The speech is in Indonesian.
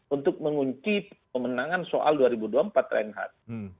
untuk mengunci pemenangan soal dua ribu dua puluh empat reinhardt